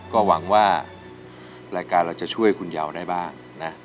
ก็หวังว่ารายการเราจะช่วยคุณยาวได้บ้างนะ